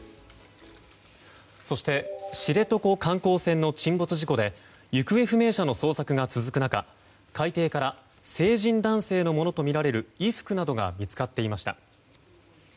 そして知床観光船の沈没事故で行方不明者の捜索が続く中海底から成人男性のものとみられる衣服などが見つかっていました。